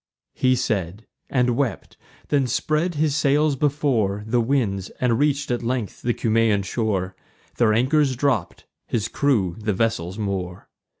He said, and wept; then spread his sails before The winds, and reach'd at length the Cumaean shore: Their anchors dropp'd, his crew the vessels moor.